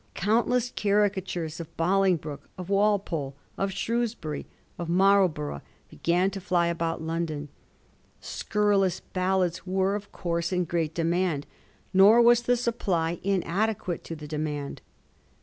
Countless caricatures of Boling broke, of Walpole, of Shrewsbury, of Marlborough, b^an to fly about London. Scurrilous ballads were of course in great demand, nor was the supply in adequate to the demand.